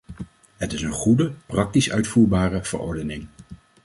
Het is een goede, praktisch uitvoerbare verordening.